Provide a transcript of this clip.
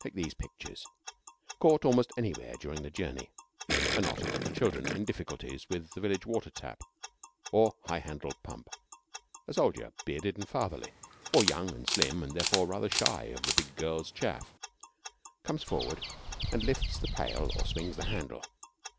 Take these pictures, caught almost anywhere during a journey: A knot of little children in difficulties with the village water tap or high handled pump. A soldier, bearded and fatherly, or young and slim and therefore rather shy of the big girls' chaff, comes forward and lifts the pail or swings the handle.